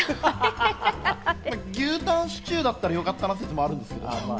牛タンシチューだったらよかったなっていうのもあるんですけど。